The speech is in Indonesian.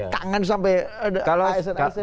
kangen sampai asn asn